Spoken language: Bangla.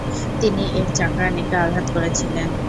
তিনি এক চাকরাণীকে আঘাত করেছিলেন।